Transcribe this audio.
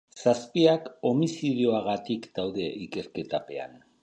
Zazpiak homizidioagatik daude ikerketapean.